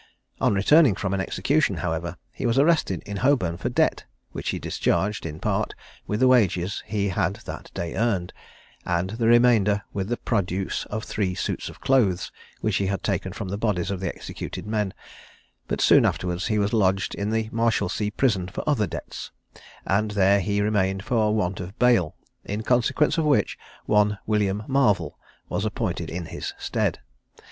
On returning from an execution, however, he was arrested in Holborn for debt, which he discharged, in part, with the wages he had that day earned, and the remainder with the produce of three suits of clothes, which he had taken from the bodies of the executed men; but soon afterwards he was lodged in the Marshalsea prison for other debts, and there he remained for want of bail; in consequence of which one William Marvel was appointed in his stead.